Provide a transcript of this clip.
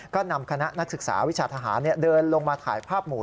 ก็นำคณะนักศึกษาวิชาทหารเดินลงมาถ่ายภาพหมู่